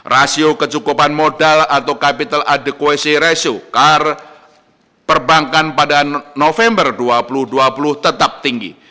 rasio kecukupan modal atau capital adequacy ratio car perbankan pada november dua ribu dua puluh tetap tinggi